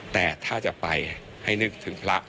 แต่ถ้าจะไปให้นึกถึงพระ